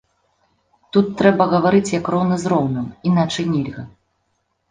Тут трэба гаварыць як роўны з роўным, іначай нельга.